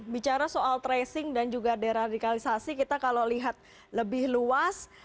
bicara soal tracing dan juga deradikalisasi kita kalau lihat lebih luas